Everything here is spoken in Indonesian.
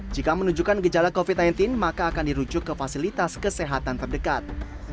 jika menunjukkan gejala covid sembilan belas maka akan dirujuk ke fasilitas kesehatan terdekat